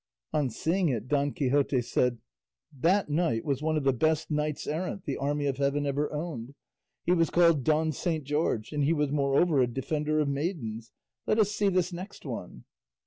On seeing it Don Quixote said, "That knight was one of the best knights errant the army of heaven ever owned; he was called Don Saint George, and he was moreover a defender of maidens. Let us see this next one."